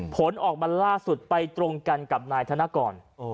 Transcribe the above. ผลออกมาล่าสุดไปตรงกันกับนายธนกร